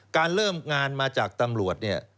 การเริ่มงานมาจากตำรวจเนี่ย